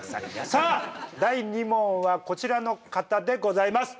さあ第２問はこちらの方でございます！